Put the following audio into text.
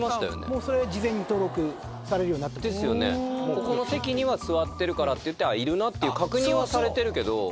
ここの席には座ってるからっていっているなって確認はされてるけど。